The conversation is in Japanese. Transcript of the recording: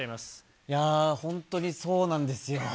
いやー、本当にそうなんですよ。